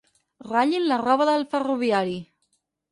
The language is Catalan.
Ratllin la roba del ferroviari.